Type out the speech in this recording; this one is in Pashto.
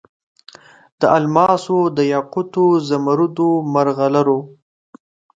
د الماسو، دیاقوتو، زمرودو، مرغلرو